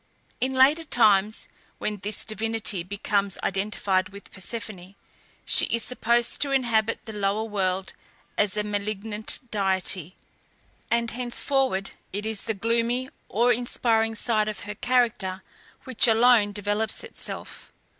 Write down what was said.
In later times, when this divinity becomes identified with Persephone, she is supposed to inhabit the lower world as a malignant deity, and henceforward it is the gloomy, awe inspiring side of her character which alone develops itself.